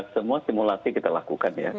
semua simulasi kita lakukan ya